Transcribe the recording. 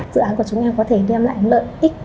dự án của chúng em có thể đem lại lợi ích